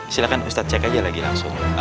silahkan ustadz cek aja lagi langsung